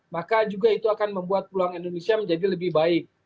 maka juga itu akan membuat peluang indonesia menjadi lebih baik